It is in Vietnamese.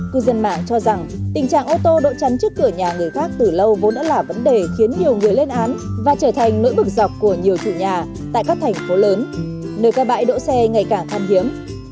cư dân mạng cho rằng tình trạng ô tô đỗ chắn trước cửa nhà người khác từ lâu vốn đã là vấn đề khiến nhiều người lên án và trở thành nỗi bực dọc của nhiều chủ nhà tại các thành phố lớn nơi các bãi đỗ xe ngày càng khăn hiếm